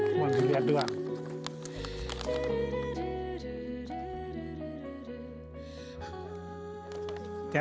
cuma dilihat dua